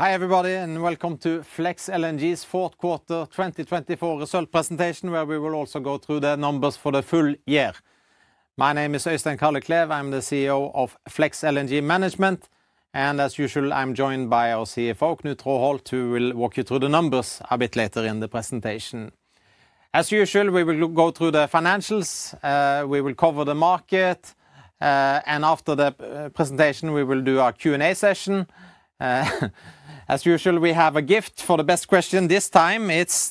Hi everybody and welcome to Flex LNG's fourth quarter 2024 results presentation, where we will also go through the numbers for the full year. My name is Øystein Kalleklev, I'm the CEO of Flex LNG Management, and as usual, I'm joined by our CFO, Knut Traaholt, who will walk you through the numbers a bit later in the presentation. As usual, we will go through the financials, we will cover the market, and after the presentation, we will do our Q&A session. As usual, we have a gift for the best question this time. It's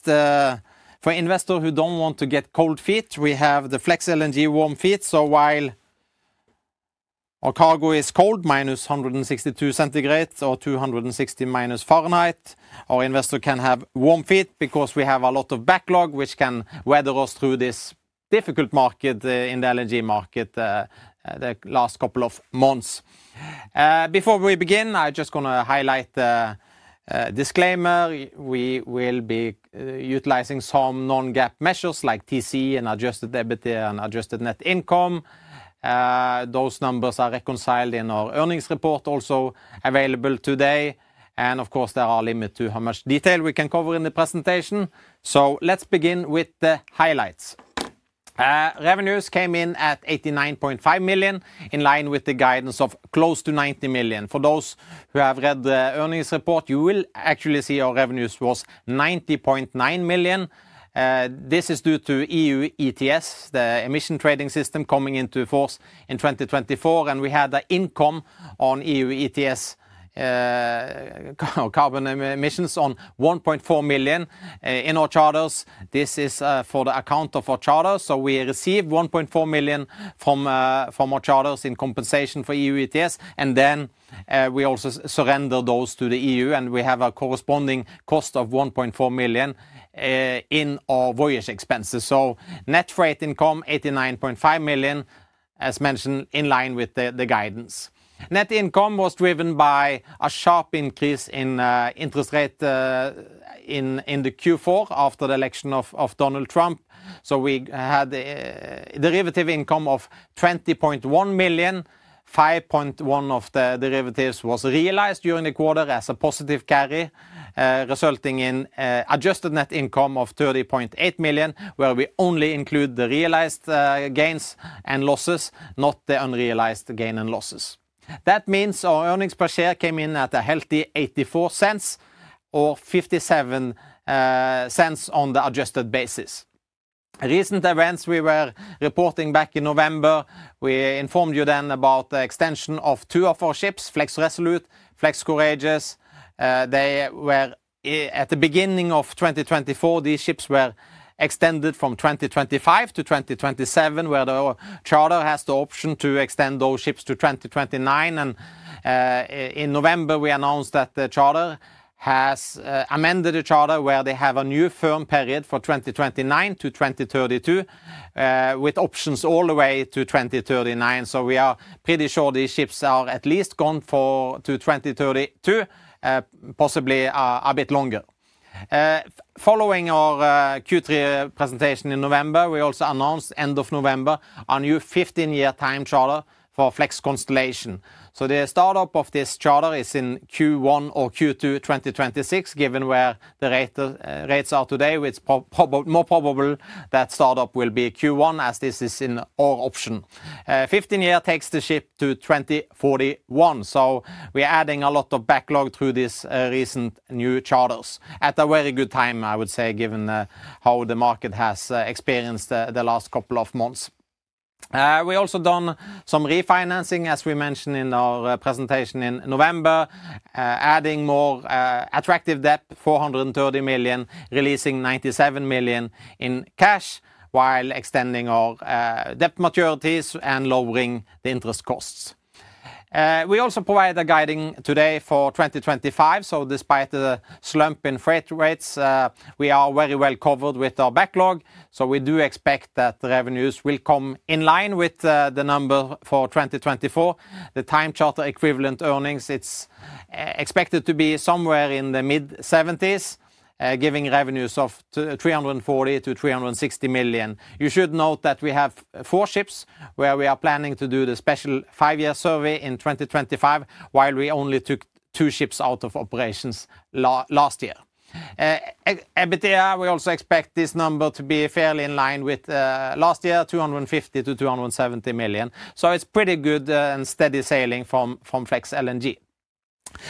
for investors who don't want to get cold feet. We have the Flex LNG warm feet. While our cargo is cold, minus 162 degrees Celsius or minus 260 degrees Fahrenheit, our investor can have warm feet because we have a lot of backlog which can weather us through this difficult market in the LNG market the last couple of months. Before we begin, I'm just going to highlight the disclaimer. We will be utilizing some non-GAAP measures like TC and adjusted debt and adjusted net income. Those numbers are reconciled in our earnings report also available today. And of course, there are limits to how much detail we can cover in the presentation. So let's begin with the highlights. Revenues came in at $89.5 million, in line with the guidance of close to $90 million. For those who have read the earnings report, you will actually see our revenues was $90.9 million. This is due to EU ETS, the emissions trading system coming into force in 2024. We had an income on EU ETS, carbon emissions on $1.4 million in our charters. This is for the account of our charters. We received $1.4 million from our charters in compensation for EU ETS. Then we also surrendered those to the EU. We have a corresponding cost of $1.4 million in our voyage expenses. Net freight income $89.5 million, as mentioned, in line with the guidance. Net income was driven by a sharp increase in interest rates in the Q4 after the election of Donald Trump. We had a derivative income of $20.1 million. 5.1% of the derivatives was realized during the quarter as a positive carry, resulting in adjusted net income of $30.8 million, where we only include the realized gains and losses, not the unrealized gains and losses. That means our earnings per share came in at a healthy $0.84 or $0.57 on the adjusted basis. Recent events, we were reporting back in November. We informed you then about the extension of two of our ships, Flex Resolute and Flex Courageous. At the beginning of 2024, these ships were extended from 2025 to 2027, where the charter has the option to extend those ships to 2029. And in November, we announced that the charter has amended the charter, where they have a new firm period for 2029 to 2032, with options all the way to 2039. So we are pretty sure these ships are at least gone for 2032, possibly a bit longer. Following our Q3 presentation in November, we also announced, end of November, a new 15-year time charter for Flex Constellation. So the startup of this charter is in Q1 or Q2 2026, given where the rates are today, which is more probable that startup will be Q1, as this is in our option. 15 years takes the ship to 2041. So we are adding a lot of backlog through these recent new charters at a very good time, I would say, given how the market has experienced the last couple of months. We also done some refinancing, as we mentioned in our presentation in November, adding more attractive debt, $430 million, releasing $97 million in cash while extending our debt maturities and lowering the interest costs. We also provide the guiding today for 2025. So despite the slump in freight rates, we are very well covered with our backlog. So we do expect that the revenues will come in line with the number for 2024. The time charter equivalent earnings, it's expected to be somewhere in the mid-70s, giving revenues of $340 million-$360 million. You should note that we have four ships where we are planning to do the special five-year survey in 2025, while we only took two ships out of operations last year. We also expect this number to be fairly in line with last year, $250 million-$270 million. So it's pretty good and steady sailing from Flex LNG.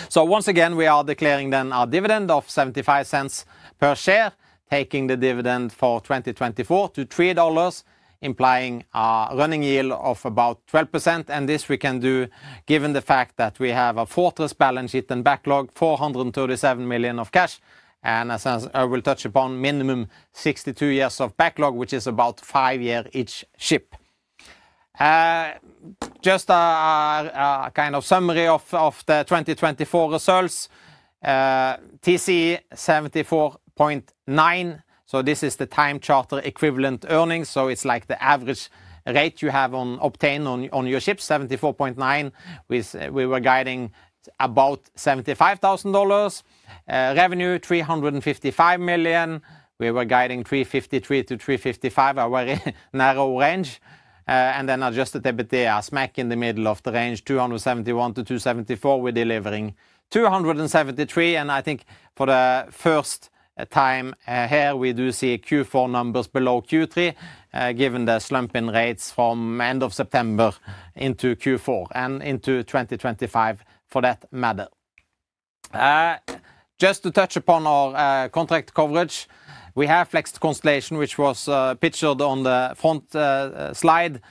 So once again, we are declaring then our dividend of $0.75 per share, taking the dividend for 2024 to $3, implying a running yield of about 12%. And this we can do given the fact that we have a fortress balance sheet and backlog, $437 million of cash. And as I will touch upon, minimum 62 years of backlog, which is about five years each ship. Just a kind of summary of the 2024 results. TC $74.9. So this is the time charter equivalent earnings. So it's like the average rate you have obtained on your ships, $74.9, which we were guiding about $75,000. Revenue $355 million. We were guiding $353 million-$355 million, a very narrow range. And then adjusted EBITDA smack in the middle of the range, $271 million-$274 million, we're delivering $273 million. And I think for the first time here, we do see Q4 numbers below Q3, given the slump in rates from end of September into Q4 and into 2025 for that matter. Just to touch upon our contract coverage, we have Flex Constellation, which was pictured on the front slide.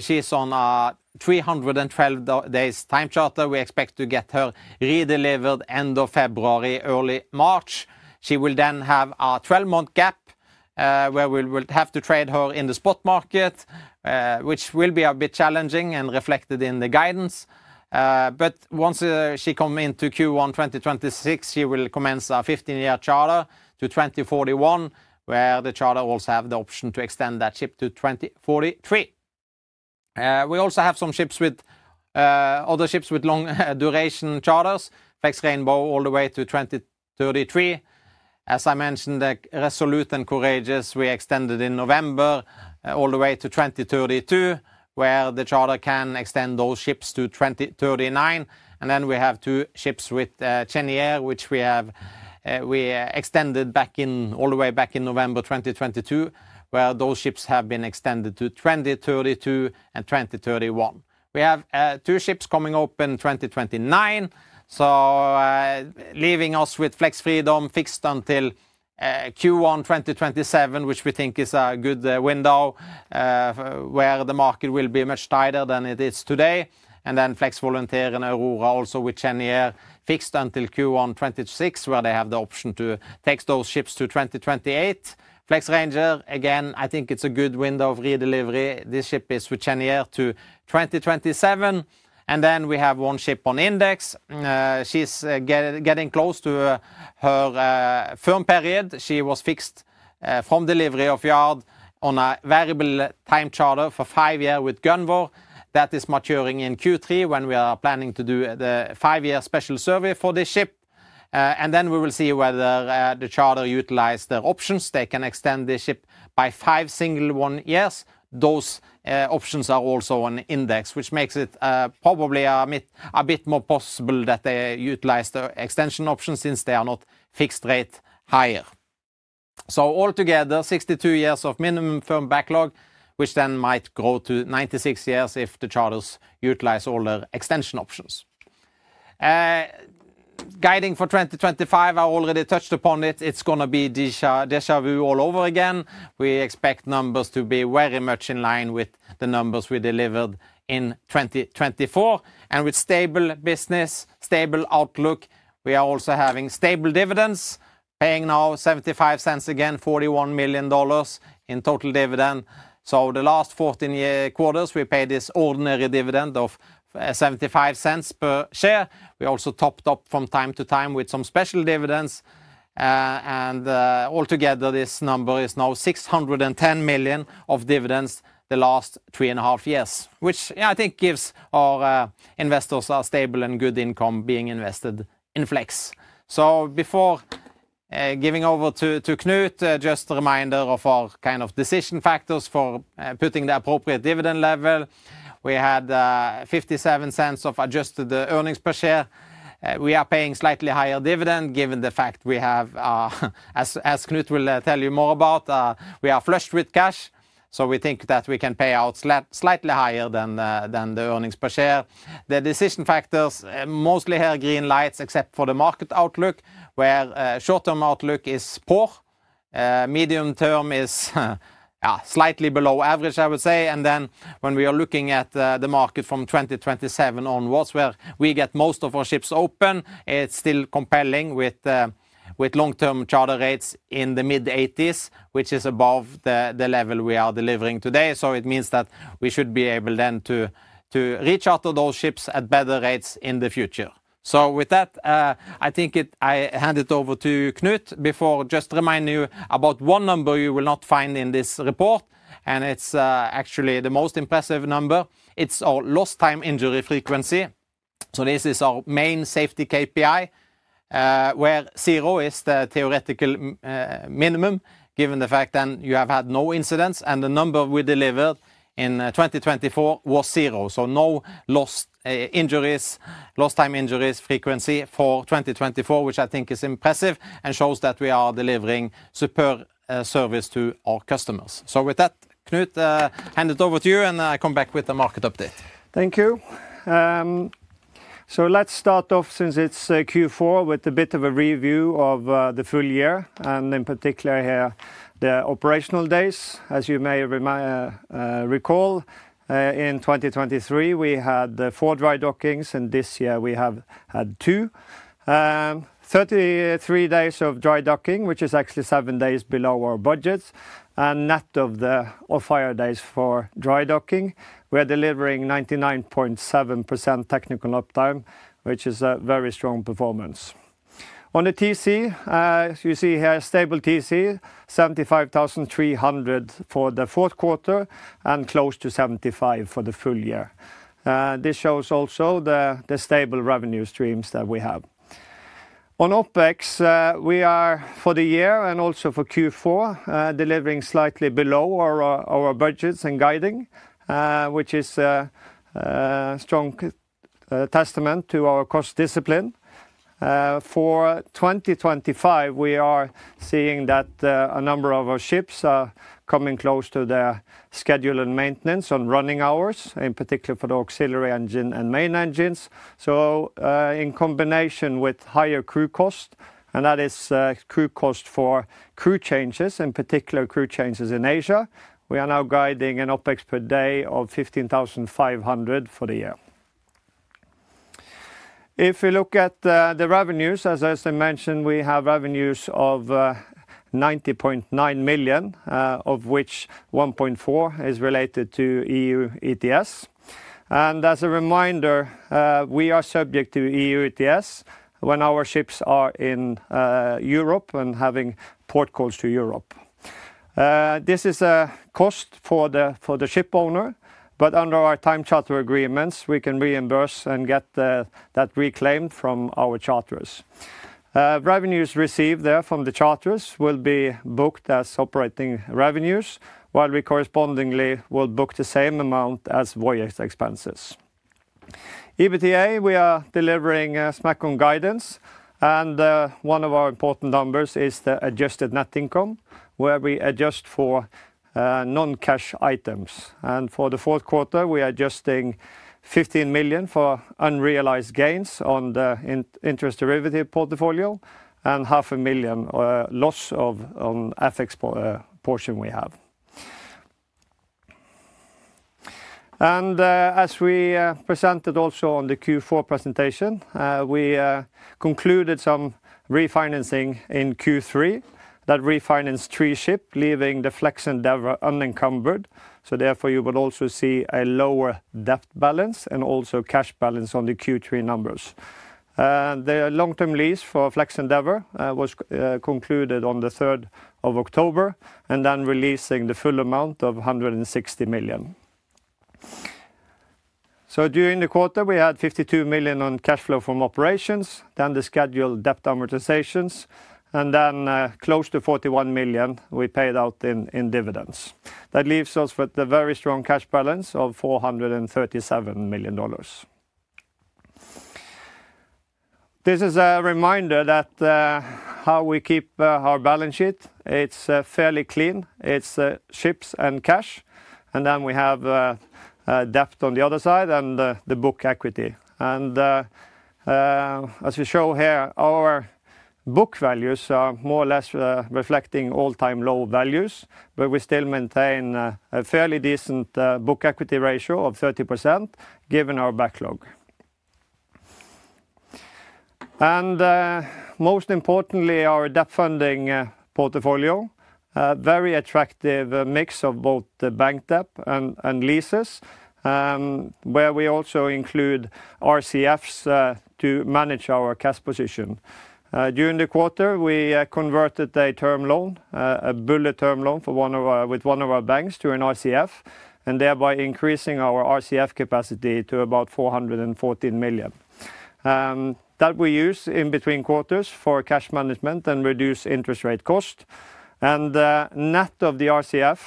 She's on a 312 days time charter. We expect to get her redelivered end of February, early March. She will then have a 12-month gap where we will have to trade her in the spot market, which will be a bit challenging and reflected in the guidance. But once she comes into Q1 2026, she will commence a 15-year charter to 2041, where the charter also has the option to extend that ship to 2043. We also have some other ships with long duration charters, Flex Rainbow, all the way to 2033. As I mentioned, the Resolute and Courageous, we extended in November all the way to 2032, where the charter can extend those ships to 2039. And then we have two ships with Cheniere, which we extended back all the way back in November 2022, where those ships have been extended to 2032 and 2031. We have two ships coming open in 2029, so leaving us with Flex Freedom fixed until Q1 2027, which we think is a good window where the market will be much tighter than it is today, and then Flex Volunteer and Aurora also with Cheniere fixed until Q1 2026, where they have the option to take those ships to 2028. Flex Ranger, again, I think it's a good window of redelivery. This ship is with Cheniere to 2027, and then we have one ship on index. She's getting close to her firm period. She was fixed from delivery of yard on a variable time charter for five years with Gunvor. That is maturing in Q3 when we are planning to do the five-year special survey for this ship, and then we will see whether the charter utilizes their options. They can extend the ship by five single one years. Those options are also on index, which makes it probably a bit more possible that they utilize the extension options since they are not fixed rate higher. So altogether, 62 years of minimum firm backlog, which then might grow to 96 years if the charters utilize all their extension options. Guiding for 2025, I already touched upon it. It's going to be déjà vu all over again. We expect numbers to be very much in line with the numbers we delivered in 2024, and with stable business, stable outlook, we are also having stable dividends, paying now $0.75 again, $41 million in total dividend. So the last 14 quarters, we paid this ordinary dividend of $0.75 per share. We also topped up from time to time with some special dividends. Altogether, this number is now $610 million of dividends the last three and a half years, which I think gives our investors a stable and good income being invested in FLEX. So before giving over to Knut, just a reminder of our kind of decision factors for putting the appropriate dividend level. We had $0.57 adjusted earnings per share. We are paying slightly higher dividend given the fact we have, as Knut will tell you more about, we are flushed with cash. So we think that we can pay out slightly higher than the earnings per share. The decision factors mostly have green lights except for the market outlook, where short-term outlook is poor. Medium term is slightly below average, I would say. And then, when we are looking at the market from 2027 onwards, where we get most of our ships open, it's still compelling with long-term charter rates in the mid-80s, which is above the level we are delivering today. So it means that we should be able then to recharter those ships at better rates in the future. So with that, I think I hand it over to Knut before just reminding you about one number you will not find in this report. And it's actually the most impressive number. It's our lost time injury frequency. So this is our main safety KPI, where zero is the theoretical minimum, given the fact that you have had no incidents. And the number we delivered in 2024 was zero. So, no lost time injuries, lost time injury frequency for 2024, which I think is impressive and shows that we are delivering superb service to our customers. So with that, Knut, I hand it over to you and I come back with the market update. Thank you. So let's start off since it's Q4 with a bit of a review of the full year and in particular here the operational days. As you may recall, in 2023, we had four dry dockings and this year we have had two. 33 days of dry docking, which is actually seven days below our budget, and net of the off-hire days for dry docking, we are delivering 99.7% technical uptime, which is a very strong performance. On the TC, you see here a stable TC, $75,300 for the fourth quarter and close to $75,000 for the full year. This shows also the stable revenue streams that we have. On OpEx, we are for the year and also for Q4 delivering slightly below our budgets and guiding, which is a strong testament to our cost discipline. For 2025, we are seeing that a number of our ships are coming close to their schedule and maintenance on running hours, in particular for the auxiliary engine and main engines. So in combination with higher crew cost, and that is crew cost for crew changes, in particular crew changes in Asia, we are now guiding an OpEx per day of $15,500 for the year. If we look at the revenues, as I mentioned, we have revenues of $90.9 million, of which $1.4 million is related to EU ETS. And as a reminder, we are subject to EU ETS when our ships are in Europe and having port calls to Europe. This is a cost for the ship owner, but under our time charter agreements, we can reimburse and get that reclaimed from our charters. Revenues received there from the charters will be booked as operating revenues, while we correspondingly will book the same amount as voyage expenses. EBITDA, we are delivering smack on guidance. And one of our important numbers is the adjusted net income, where we adjust for non-cash items. And for the fourth quarter, we are adjusting $15 million for unrealized gains on the interest derivative portfolio and $0.5 million loss on FX portion we have. And as we presented also on the Q4 presentation, we concluded some refinancing in Q3. That refinanced three ships, leaving the Flex Endeavour unencumbered. So therefore, you would also see a lower debt balance and also cash balance on the Q3 numbers. The long-term lease for Flex Endeavour was concluded on the 3rd of October and then releasing the full amount of $160 million. So during the quarter, we had $52 million on cash flow from operations, then the scheduled debt amortizations, and then close to $41 million we paid out in dividends. That leaves us with a very strong cash balance of $437 million. This is a reminder of how we keep our balance sheet. It's fairly clean. It's ships and cash, and then we have debt on the other side and the book equity. As we show here, our book values are more or less reflecting all-time low values, but we still maintain a fairly decent book equity ratio of 30% given our backlog. Most importantly, our debt funding portfolio, a very attractive mix of both bank debt and leases, where we also include RCFs to manage our cash position. During the quarter, we converted a term loan, a bullet term loan with one of our banks to an RCF, and thereby increasing our RCF capacity to about $414 million. That we use in between quarters for cash management and reduce interest rate cost. Net of the RCF,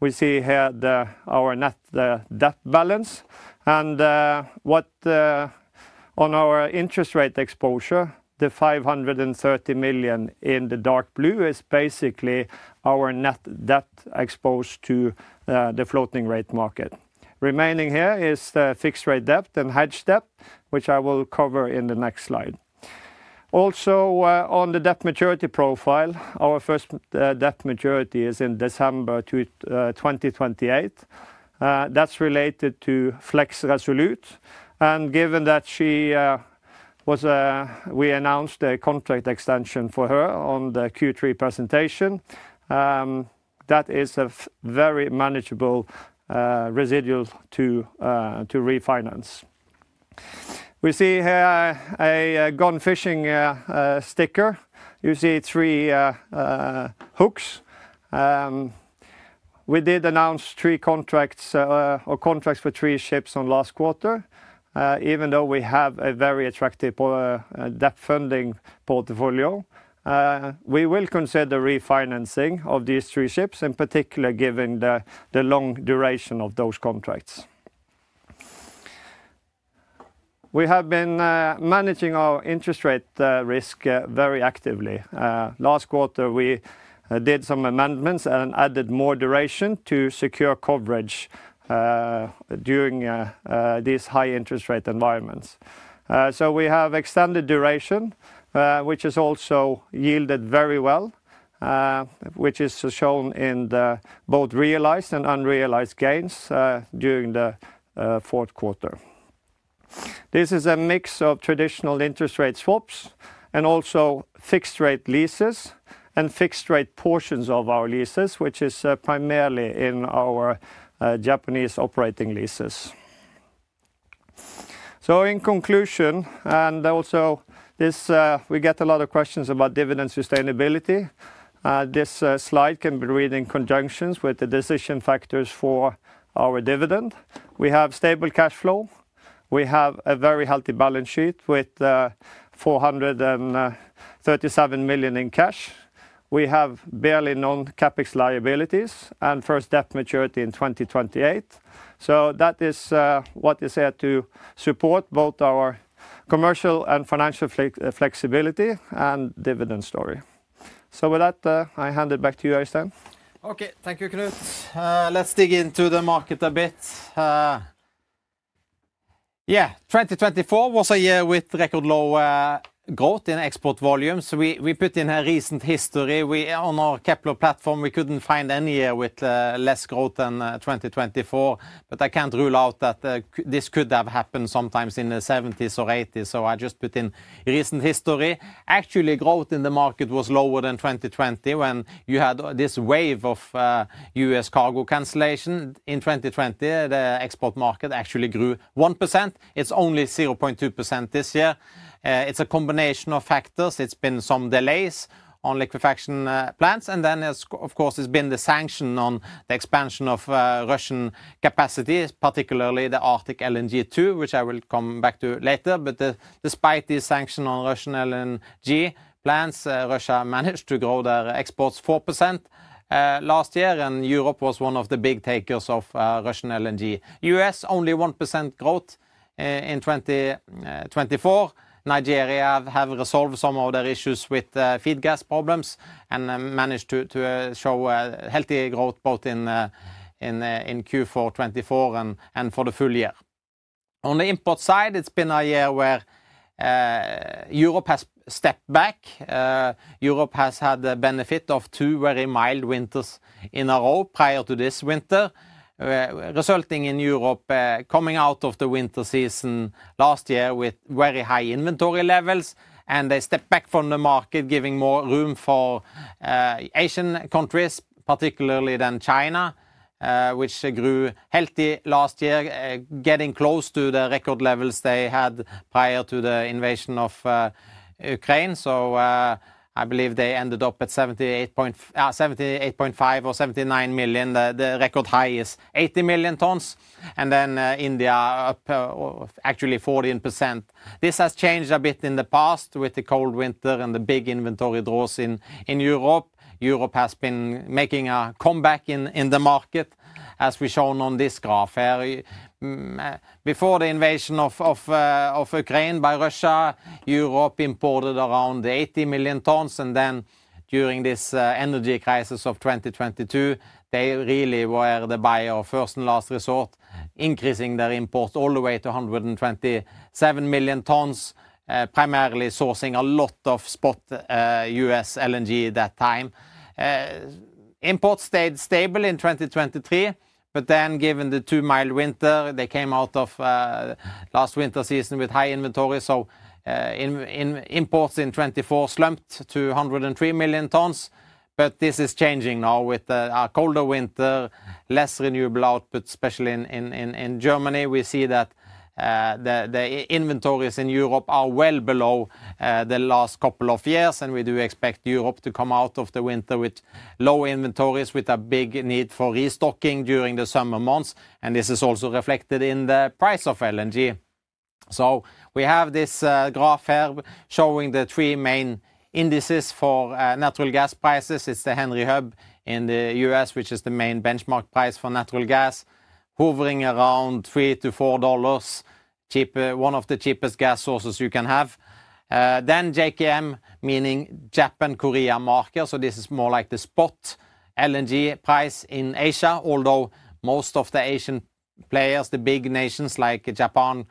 we see here our net debt balance. On our interest rate exposure, the $530 million in the dark blue is basically our net debt exposed to the floating rate market. Remaining here is the fixed rate debt and hedged debt, which I will cover in the next slide. Also on the debt maturity profile, our first debt maturity is in December 2028. That's related to Flex Resolute. Given that she was, we announced a contract extension for her on the Q3 presentation, that is a very manageable residual to refinance. We see here a gone fishing sticker. You see three hooks. We did announce three contracts or contracts for three ships on last quarter. Even though we have a very attractive debt funding portfolio, we will consider refinancing of these three ships, in particular given the long duration of those contracts. We have been managing our interest rate risk very actively. Last quarter, we did some amendments and added more duration to secure coverage during these high interest rate environments. So we have extended duration, which has also yielded very well, which is shown in both realized and unrealized gains during the fourth quarter. This is a mix of traditional interest rate swaps and also fixed rate leases and fixed rate portions of our leases, which is primarily in our Japanese operating leases. So in conclusion, and also this we get a lot of questions about dividend sustainability. This slide can be read in conjunction with the decision factors for our dividend. We have stable cash flow. We have a very healthy balance sheet with $437 million in cash. We have virtually no known CapEx liabilities and first debt maturity in 2028. So that is what is here to support both our commercial and financial flexibility and dividend story. So with that, I hand it back to you, Øystein. Okay, thank you, Knut. Let's dig into the market a bit. Yeah, 2024 was a year with record low growth in export volumes, the lowest in recent history. On our Kpler platform, we couldn't find any year with less growth than 2024, but I can't rule out that this could have happened sometimes in the 70s or 80s, so I just put in recent history. Actually, growth in the market was lower than 2020 when you had this wave of U.S. cargo cancellation. In 2020, the export market actually grew 1%. It's only 0.2% this year. It's a combination of factors. It's been some delays on liquefaction plants, and then, of course, it's been the sanction on the expansion of Russian capacity, particularly the Arctic LNG 2, which I will come back to later, but despite the sanction on Russian LNG plants, Russia managed to grow their exports 4% last year, and Europe was one of the big takers of Russian LNG. U.S. only 1% growth in 2024. Nigeria have resolved some of their issues with feed gas problems and managed to show healthy growth both in Q4 2024 and for the full year. On the import side, it's been a year where Europe has stepped back. Europe has had the benefit of two very mild winters in a row prior to this winter, resulting in Europe coming out of the winter season last year with very high inventory levels. And they stepped back from the market, giving more room for Asian countries, particularly then China, which grew healthy last year, getting close to the record levels they had prior to the invasion of Ukraine. So I believe they ended up at 78.5 or 79 million. The record high is 80 million tons. And then India up actually 14%. This has changed a bit in the past with the cold winter and the big inventory draws in Europe. Europe has been making a comeback in the market, as we've shown on this graph here. Before the invasion of Ukraine by Russia, Europe imported around 80 million tons. Then during this energy crisis of 2022, they really were the buyer of first and last resort, increasing their imports all the way to 127 million tons, primarily sourcing a lot of spot U.S. LNG at that time. Imports stayed stable in 2023, but then given the too mild winter, they came out of last winter season with high inventory. Imports in 2024 slumped to 103 million tons. This is changing now with our colder winter, less renewable output, especially in Germany. We see that the inventories in Europe are well below the last couple of years. We do expect Europe to come out of the winter with low inventories, with a big need for restocking during the summer months. This is also reflected in the price of LNG. We have this graph here showing the three main indices for natural gas prices. It's the Henry Hub in the U.S., which is the main benchmark price for natural gas, hovering around $3-4, one of the cheapest gas sources you can have. Then JKM, meaning Japan-Korea Marker. This is more like the spot LNG price in Asia, although most of the Asian players, the big nations like Japan,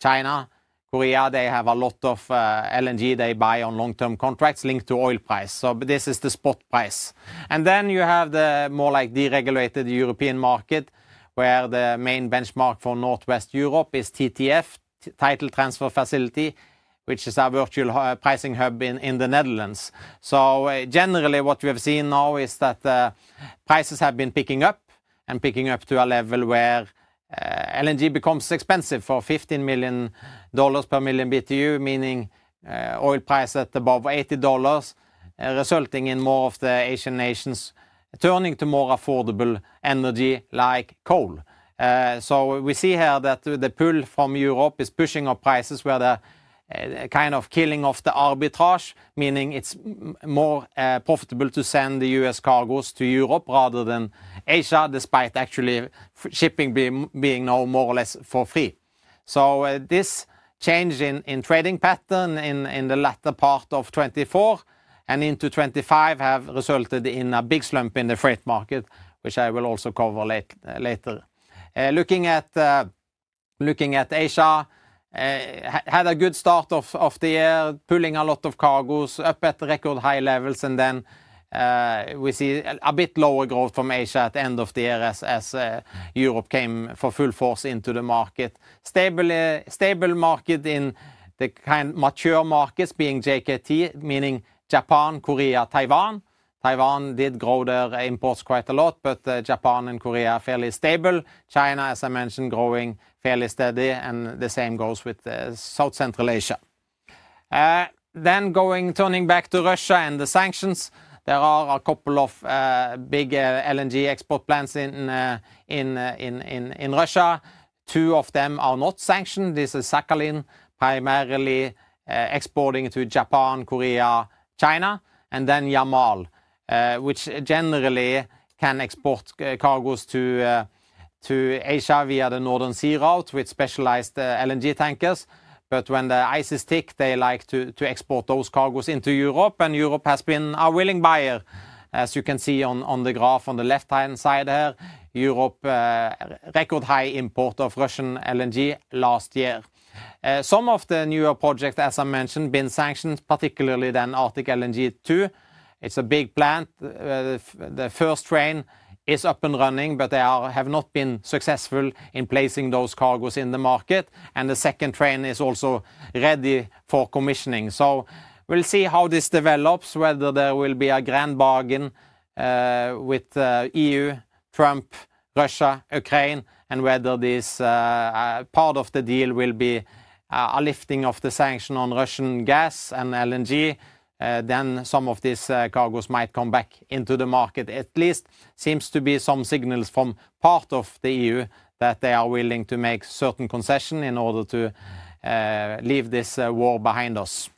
China, Korea, they have a lot of LNG they buy on long-term contracts linked to oil price. This is the spot price. And then you have the more like deregulated European market, where the main benchmark for Northwest Europe is TTF, Title Transfer Facility, which is our virtual pricing hub in the Netherlands. So generally, what you have seen now is that prices have been picking up and picking up to a level where LNG becomes expensive for $15 million per million BTU, meaning oil prices above $80, resulting in more of the Asian nations turning to more affordable energy like coal. So we see here that the pull from Europe is pushing up prices, where they're kind of killing off the arbitrage, meaning it's more profitable to send the U.S. cargoes to Europe rather than Asia, despite actually shipping being now more or less for free. This change in trading pattern in the latter part of 2024 and into 2025 has resulted in a big slump in the freight market, which I will also cover later. Looking at Asia, it had a good start of the year, pulling a lot of cargoes up at record high levels. Then we see a bit lower growth from Asia at the end of the year as Europe came in full force into the market. Stable market in the kind of mature markets being JKT, meaning Japan, Korea, Taiwan. Taiwan did grow their imports quite a lot, but Japan and Korea are fairly stable. China, as I mentioned, growing fairly steady. And the same goes with South Central Asia. Then turning back to Russia and the sanctions, there are a couple of big LNG export plants in Russia. Two of them are not sanctioned. This is Sakhalin, primarily exporting to Japan, Korea, China, and then Yamal, which generally can export cargoes to Asia via the Northern Sea Route with specialized LNG tankers. But when the ice is thick, they like to export those cargoes into Europe. And Europe has been a willing buyer, as you can see on the graph on the left-hand side here. Europe, record high import of Russian LNG last year. Some of the newer projects, as I mentioned, have been sanctioned, particularly then Arctic LNG 2. It's a big plant. The first train is up and running, but they have not been successful in placing those cargoes in the market. And the second train is also ready for commissioning. So we'll see how this develops, whether there will be a grand bargain with the EU, Trump, Russia, Ukraine, and whether this part of the deal will be a lifting of the sanction on Russian gas and LNG. Then some of these cargoes might come back into the market. At least seems to be some signals from part of the EU that they are willing to make certain concessions in order to leave this war behind us.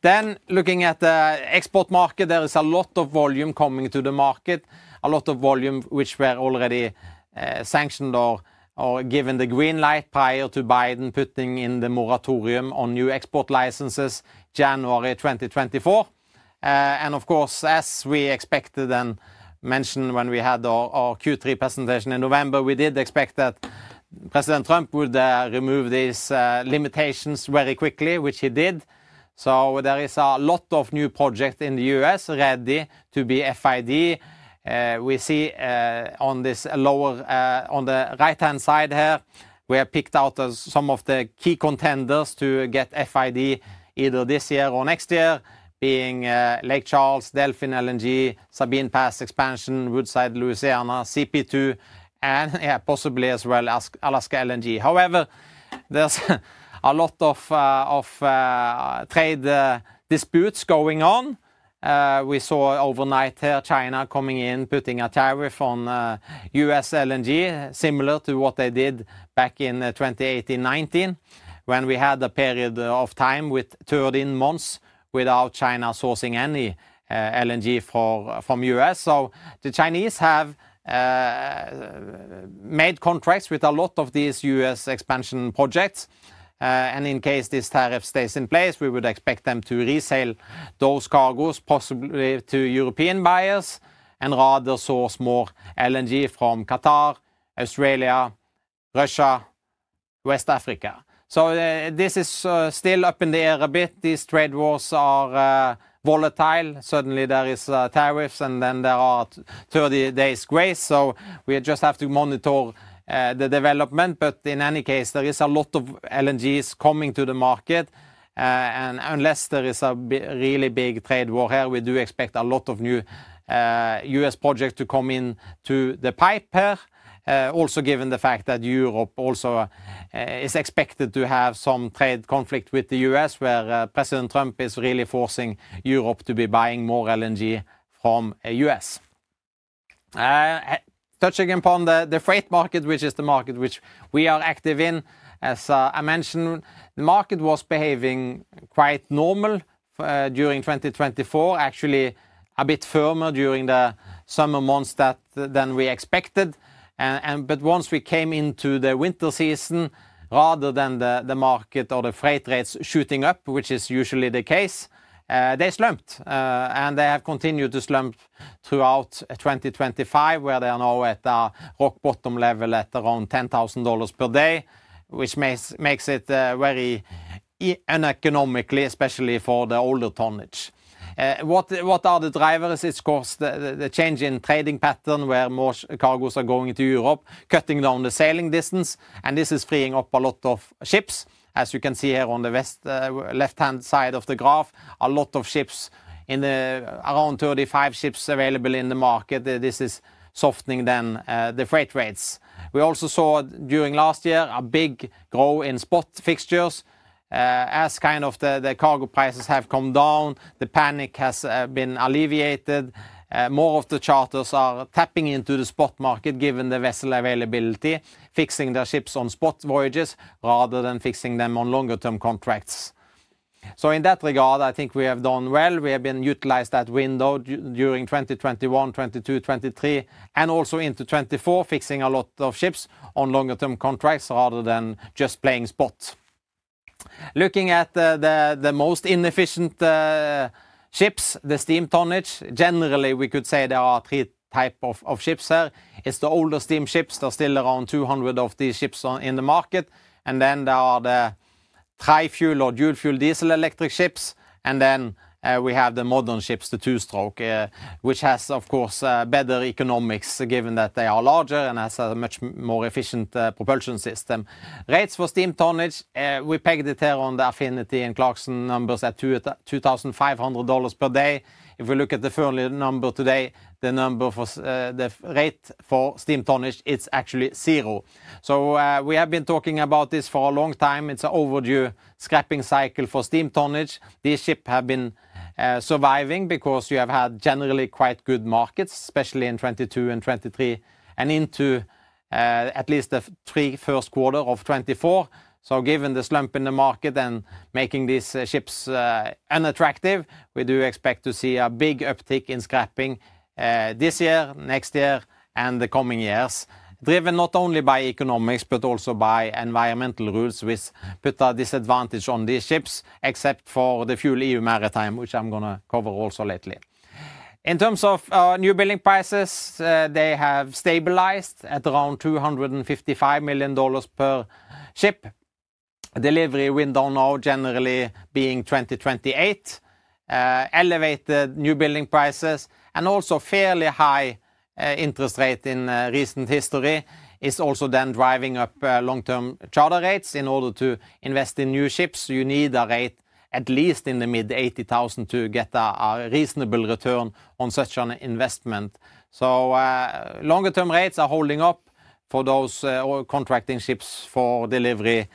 Then looking at the export market, there is a lot of volume coming to the market, a lot of volume which were already sanctioned or given the green light prior to Biden putting in the moratorium on new export licenses January 2024. And of course, as we expected and mentioned when we had our Q3 presentation in November, we did expect that President Trump would remove these limitations very quickly, which he did. There is a lot of new projects in the U.S. ready to be FID. We see on this lower on the right-hand side here, we have picked out some of the key contenders to get FID either this year or next year, being Lake Charles, Delfin LNG, Sabine Pass expansion, Woodside Louisiana, CP2, and possibly as well as Alaska LNG. However, there's a lot of trade disputes going on. We saw overnight here China coming in, putting a tariff on U.S. LNG similar to what they did back in 2018-2019 when we had a period of time with 13 months without China sourcing any LNG from the U.S. The Chinese have made contracts with a lot of these U.S. expansion projects. And in case this tariff stays in place, we would expect them to resell those cargoes possibly to European buyers and rather source more LNG from Qatar, Australia, Russia, West Africa. So this is still up in the air a bit. These trade wars are volatile. Suddenly there are tariffs and then there are 30 days grace. So we just have to monitor the development. But in any case, there is a lot of LNGs coming to the market. And unless there is a really big trade war here, we do expect a lot of new U.S. projects to come into the pipe here. Also given the fact that Europe also is expected to have some trade conflict with the U.S., where President Trump is really forcing Europe to be buying more LNG from the U.S. Touching upon the freight market, which is the market which we are active in, as I mentioned, the market was behaving quite normal during 2024, actually a bit firmer during the summer months than we expected. But once we came into the winter season, rather than the market or the freight rates shooting up, which is usually the case, they slumped. And they have continued to slump throughout 2025, where they are now at a rock bottom level at around $10,000 per day, which makes it very uneconomic, especially for the older tonnage. What are the drivers? It's of course the change in trading pattern where more cargoes are going to Europe, cutting down the sailing distance. This is freeing up a lot of ships, as you can see here on the left-hand side of the graph, a lot of ships in the market around 35 ships available in the market. This is softening then the freight rates. We also saw during last year a big growth in spot fixtures. As kind of the cargo prices have come down, the panic has been alleviated. More of the charters are tapping into the spot market given the vessel availability, fixing their ships on spot voyages rather than fixing them on longer-term contracts. So in that regard, I think we have done well. We have utilized that window during 2021, 2022, 2023, and also into 2024, fixing a lot of ships on longer-term contracts rather than just playing spot. Looking at the most inefficient ships, the steam tonnage. Generally we could say there are three types of ships here. It's the older steam ships. There are still around 200 of these ships in the market. And then there are the tri-fuel or dual-fuel diesel electric ships. And then we have the modern ships, the two-stroke, which has of course better economics given that they are larger and has a much more efficient propulsion system. Rates for steam tonnage, we pegged it here on the Affinity and Clarksons numbers at $2,500 per day. If we look at the Fear number today, the number for the rate for steam tonnage, it's actually zero. So we have been talking about this for a long time. It's an overdue scrapping cycle for steam tonnage. These ships have been surviving because you have had generally quite good markets, especially in 2022 and 2023 and into at least the three first quarters of 2024. So given the slump in the market and making these ships unattractive, we do expect to see a big uptick in scrapping this year, next year, and the coming years, driven not only by economics, but also by environmental rules which put a disadvantage on these ships, except for the FuelEU Maritime, which I'm going to cover also lately. In terms of new building prices, they have stabilized at around $255 million per ship. Delivery window now generally being 2028, elevated new building prices and also fairly high interest rate in recent history is also then driving up long-term charter rates. In order to invest in new ships, you need a rate at least in the mid-$80,000 to get a reasonable return on such an investment. So longer-term rates are holding up for those contracting ships for delivery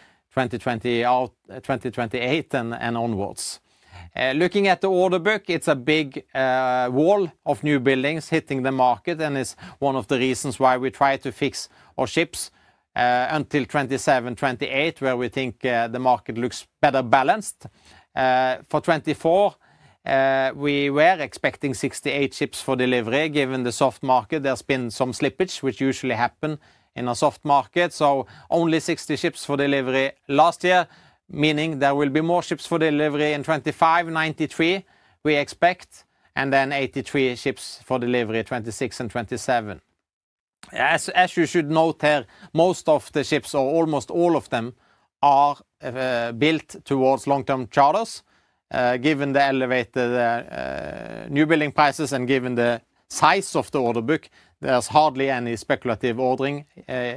2028 and onwards. Looking at the order book, it's a big wall of new buildings hitting the market and is one of the reasons why we try to fix our ships until 2027-2028, where we think the market looks better balanced. For 2024, we were expecting 68 ships for delivery. Given the soft market, there's been some slippage, which usually happens in a soft market. So only 60 ships for delivery last year, meaning there will be more ships for delivery in 2025, we expect, and then 83 ships for delivery in 2026 and 2027. As you should note here, most of the ships, or almost all of them, are built towards long-term charters. Given the elevated newbuilding prices and given the size of the order book, there's hardly any speculative ordering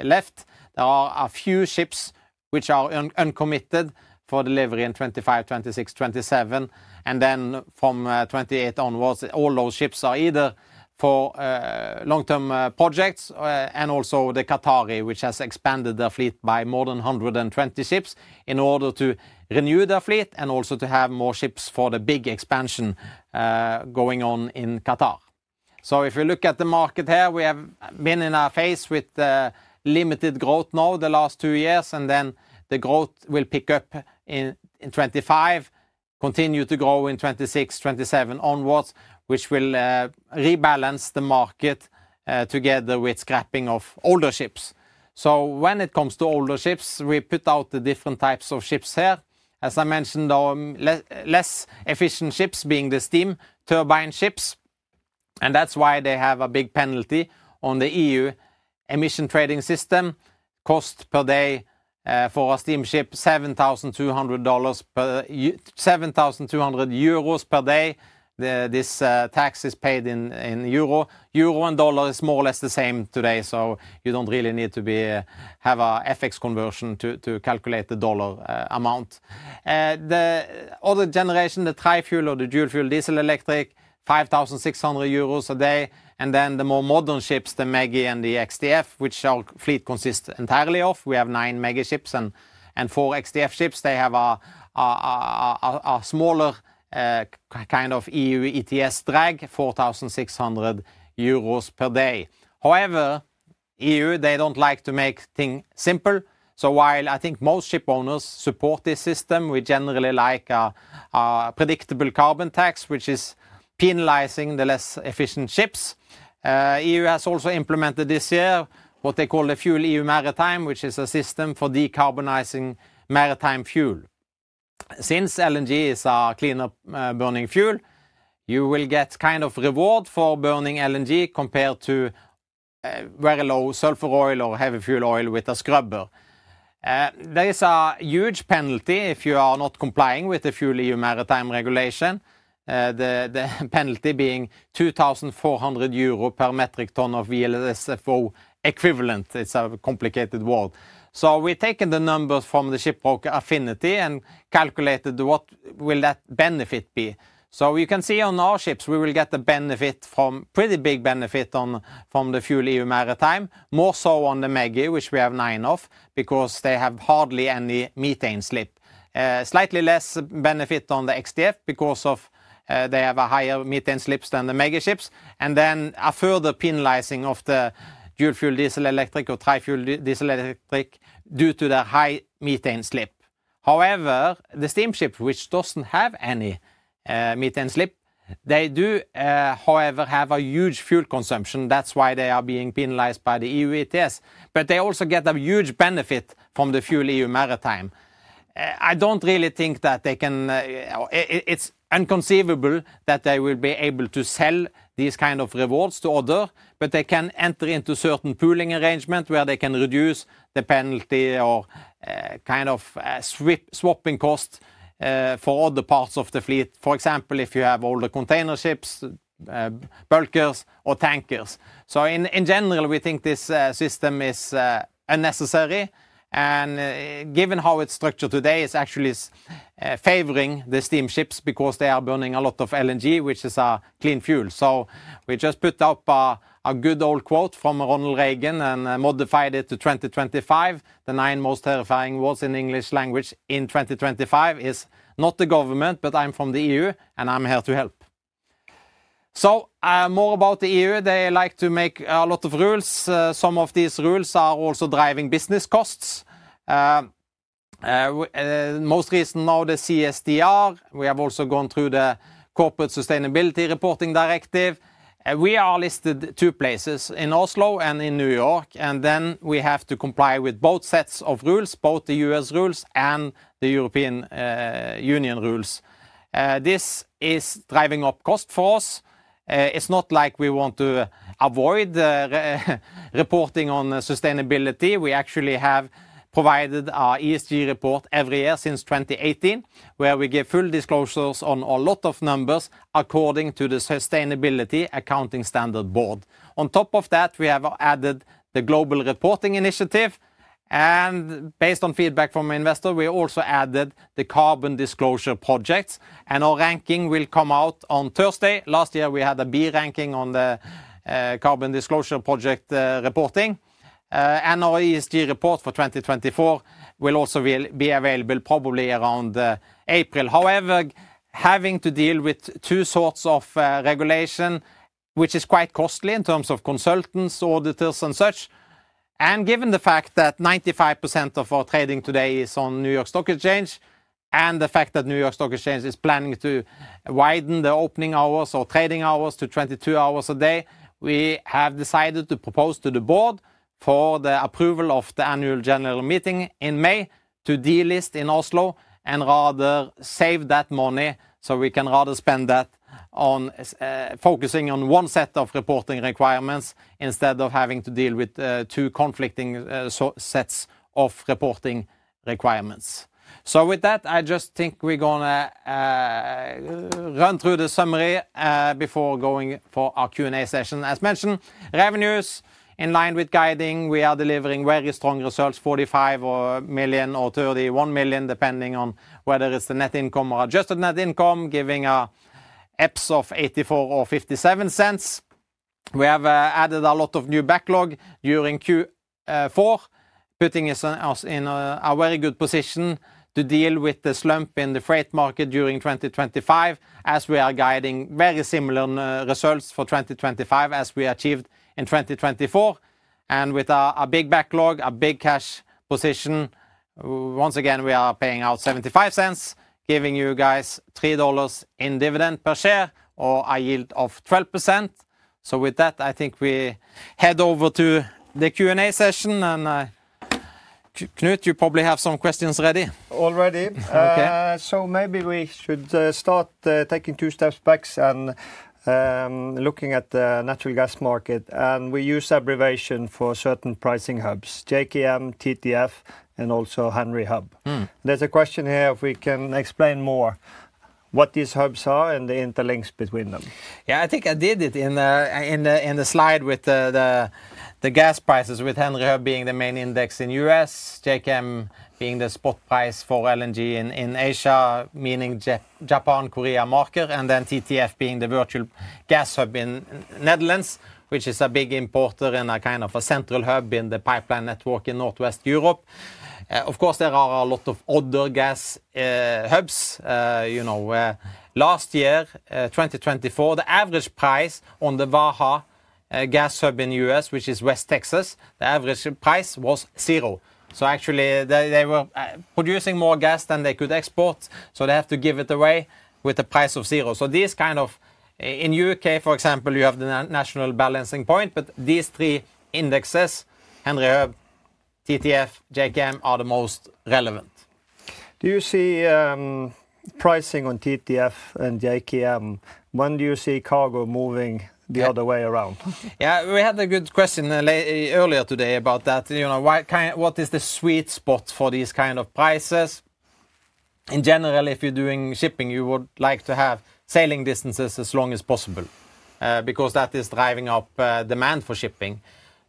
left. There are a few ships which are uncommitted for delivery in 2025, 2026, 2027. And then from 2028 onwards, all those ships are either for long-term projects and also Qatar, which has expanded their fleet by more than 120 ships in order to renew their fleet and also to have more ships for the big expansion going on in Qatar. So if we look at the market here, we have been faced with limited growth now the last two years, and then the growth will pick up in 2025, continue to grow in 2026, 2027 onwards, which will rebalance the market together with scrapping of older ships. When it comes to older ships, we put out the different types of ships here. As I mentioned, the less efficient ships being the steam turbine ships. And that's why they have a big penalty on the EU Emissions Trading System. Cost per day for a steam ship, $7,200 per euro per day. This tax is paid in euro. Euro and dollar is more or less the same today. So you don't really need to have an FX conversion to calculate the dollar amount. The other generation, the tri-fuel or the dual-fuel diesel electric, €5,600 a day. And then the more modern ships, the ME-GI and the X-DF, which our fleet consists entirely of. We have nine ME-GI ships and four X-DF ships. They have a smaller kind of EU ETS drag, €4,600 per day. However, EU, they don't like to make things simple. While I think most ship owners support this system, we generally like a predictable carbon tax, which is penalizing the less efficient ships. The EU has also implemented this year what they call the FuelEU Maritime, which is a system for decarbonizing maritime fuel. Since LNG is a cleaner burning fuel, you will get kind of reward for burning LNG compared to very low sulfur fuel oil or heavy fuel oil with a scrubber. There is a huge penalty if you are not complying with the FuelEU Maritime regulation, the penalty being € 2,400 per metric ton of VLSFO equivalent. It's a complicated world. We've taken the numbers from the ship broker Affinity and calculated what will that benefit be. You can see on our ships, we will get a benefit from a pretty big benefit from the FuelEU Maritime, more so on the ME-GI, which we have nine of, because they have hardly any methane slip. Slightly less benefit on the X-DF because they have a higher methane slip than the ME-GI ships. Then a further penalizing of the dual-fuel diesel electric or tri-fuel diesel electric due to their high methane slip. However, the steam ship, which doesn't have any methane slip, they do, however, have a huge fuel consumption. That's why they are being penalized by the EU ETS. They also get a huge benefit from the FuelEU Maritime. I don't really think that they can. It's inconceivable that they will be able to sell these kind of rewards to others, but they can enter into certain pooling arrangements where they can reduce the penalty or kind of swapping cost for other parts of the fleet. For example, if you have older container ships, bulkers, or tankers, so in general we think this system is unnecessary, and given how it's structured today, it's actually favoring the steam ships because they are burning a lot of LNG, which is a clean fuel, so we just put up a good old quote from Ronald Reagan and modified it to 2025. The nine most terrifying words in English language in 2025 is not the government, but I'm from the EU and I'm here to help, so more about the EU, they like to make a lot of rules. Some of these rules are also driving business costs. Most recent now, the CSRD. We have also gone through the Corporate Sustainability Reporting Directive. We are listed two places, in Oslo and in New York. And then we have to comply with both sets of rules, both the U.S. rules and the European Union rules. This is driving up cost for us. It's not like we want to avoid reporting on sustainability. We actually have provided our ESG report every year since 2018, where we give full disclosures on a lot of numbers according to the Sustainability Accounting Standards Board. On top of that, we have added the Global Reporting Initiative. And based on feedback from investors, we also added the Carbon Disclosure Project. And our ranking will come out on Thursday. Last year, we had a B ranking on the Carbon Disclosure Project reporting. Our ESG report for 2024 will also be available probably around April. However, having to deal with two sorts of regulation, which is quite costly in terms of consultants, auditors, and such. Given the fact that 95% of our trading today is on New York Stock Exchange, and the fact that New York Stock Exchange is planning to widen the opening hours or trading hours to 22 hours a day, we have decided to propose to the board for the approval of the annual general meeting in May to delist in Oslo and rather save that money so we can rather spend that on focusing on one set of reporting requirements instead of having to deal with two conflicting sets of reporting requirements. With that, I just think we're going to run through the summary before going for our Q&A session. As mentioned, revenues in line with guidance, we are delivering very strong results, $45 million or $31 million, depending on whether it's the net income or adjusted net income, giving an EPS of $0.84 or $0.57. We have added a lot of new backlog during Q4, putting us in a very good position to deal with the slump in the freight market during 2025, as we are guiding very similar results for 2025 as we achieved in 2024. With a big backlog, a big cash position, once again, we are paying out $0.75, giving you guys $3 in dividend per share or a yield of 12%. With that, I think we head over to the Q&A session. Knut, you probably have some questions ready already. Okay. Maybe we should start by taking two steps back and looking at the natural gas market. We use abbreviation for certain pricing hubs, JKM, TTF, and also Henry Hub. There's a question here if we can explain more what these hubs are and the interlinks between them. Yeah, I think I did it in the slide with the gas prices, with Henry Hub being the main index in the U.S., JKM being the spot price for LNG in Asia, meaning Japan, Korea marker, and then TTF being the virtual gas hub in the Netherlands, which is a big importer and a kind of a central hub in the pipeline network in Northwest Europe. Of course, there are a lot of other gas hubs. You know, last year, 2024, the average price on the Waha gas hub in the U.S., which is West Texas, the average price was zero. So actually, they were producing more gas than they could export. So they have to give it away with a price of zero. So these kind of, in the UK, for example, you have the National Balancing Point, but these three indexes, Henry Hub, TTF, JKM, are the most relevant. Do you see pricing on TTF and JKM? When do you see cargo moving the other way around? Yeah, we had a good question earlier today about that. You know, what is the sweet spot for these kind of prices? In general, if you're doing shipping, you would like to have sailing distances as long as possible because that is driving up demand for shipping.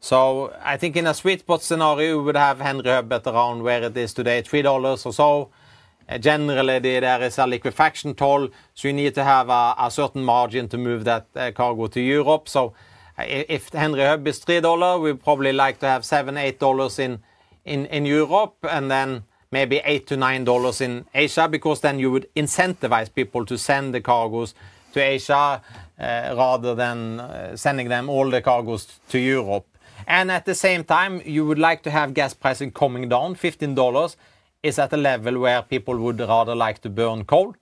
So I think in a sweet spot scenario, we would have Henry Hub at around where it is today, $3 or so. Generally, there is a liquefaction toll, so you need to have a certain margin to move that cargo to Europe. So if Henry Hub is $3, we'd probably like to have $7-$8 in Europe and then maybe $8-$9 in Asia because then you would incentivize people to send the cargoes to Asia rather than sending them all the cargoes to Europe. And at the same time, you would like to have gas pricing coming down. $15 is at a level where people would rather like to burn coal.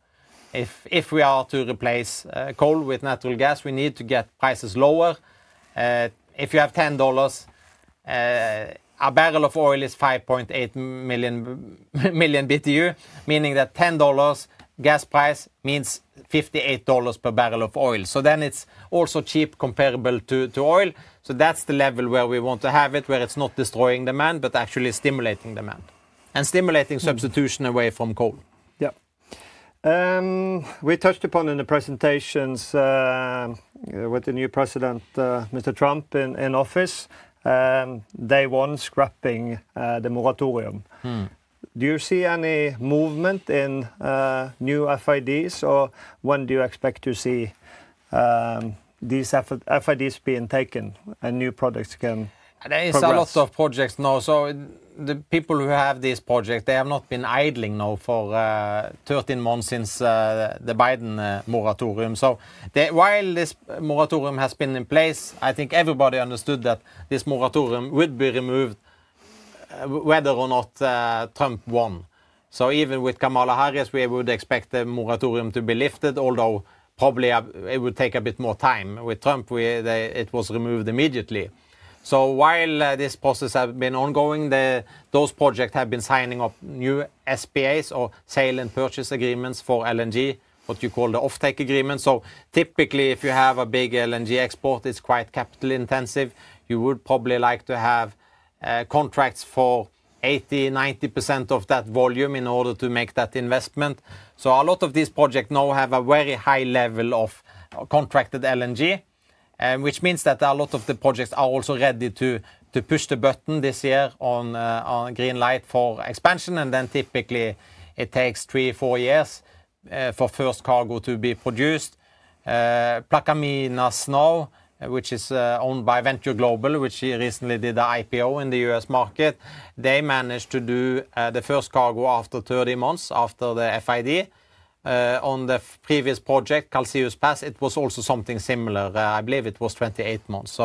If we are to replace coal with natural gas, we need to get prices lower. If you have $10, a barrel of oil is 5.8 million BTU, meaning that $10 gas price means $58 per barrel of oil. So then it's also cheap, comparable to oil. So that's the level where we want to have it, where it's not destroying demand, but actually stimulating demand and stimulating substitution away from coal. Yeah. We touched upon in the presentations with the new president, Mr. Trump, in office, day one scrapping the moratorium. Do you see any movement in new FIDs, or when do you expect to see these FIDs being taken and new projects can start? There are a lot of projects now. So the people who have these projects, they have not been idling now for 13 months since the Biden moratorium. So while this moratorium has been in place, I think everybody understood that this moratorium would be removed whether or not Trump won. So even with Kamala Harris, we would expect the moratorium to be lifted, although probably it would take a bit more time. With Trump, it was removed immediately. So while this process has been ongoing, those projects have been signing up new SPAs or sale and purchase agreements for LNG, what you call the offtake agreement. Typically, if you have a big LNG export, it's quite capital intensive. You would probably like to have contracts for 80%-90% of that volume in order to make that investment. So a lot of these projects now have a very high level of contracted LNG, which means that a lot of the projects are also ready to push the button this year on green light for expansion. Then typically, it takes three, four years for first cargo to be produced. Plaquemines now, which is owned by Venture Global, which recently did an IPO in the U.S. market, they managed to do the first cargo after 30 months after the FID. On the previous project, Calcasieu Pass, it was also something similar. I believe it was 28 months.